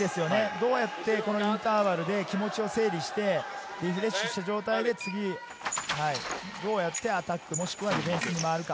どうやってこのインターバルで気持ちを整理してリフレッシュした状態で、どうやってアタック、もしくはディフェンスに回るか。